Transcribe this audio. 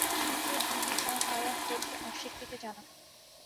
কিন্তু তিনি তা পালন করতে অস্বীকৃতি জানান।